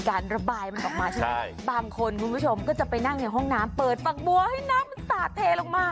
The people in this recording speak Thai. การระบายมันออกมาใช่ไหมบางคนคุณผู้ชมก็จะไปนั่งในห้องน้ำเปิดปากบัวให้น้ำมันสาดเทลงมา